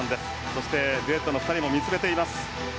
そしてデュエットの２人も見つめていました。